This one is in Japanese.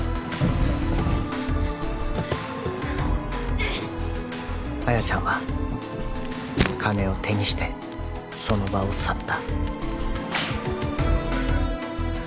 うんっ亜矢ちゃんは金を手にしてその場を去った